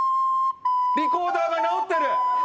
リコーダーが直ってる！